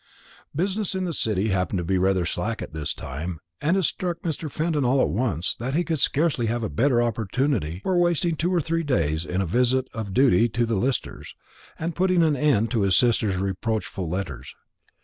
Business in the City happened to be rather slack at this time; and it struck Mr. Fenton all at once that he could scarcely have a better opportunity for wasting two or three days in a visit of duty to the Listers, and putting an end to his sister's reproachful letters.